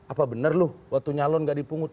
apa benar loh waktu nyalon nggak dipungut